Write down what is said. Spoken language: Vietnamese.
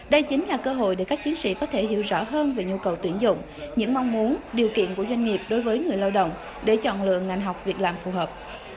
đây chính là cơ hội để các chiến sĩ có thể hiểu rõ hơn về nhu cầu tuyển dụng những mong muốn điều kiện của doanh nghiệp đối với người lao động để chọn lượng ngành học việc làm phù hợp